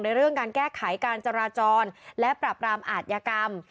เรื่องการแก้ไขการจราจรและปรับรามอาทยากรรม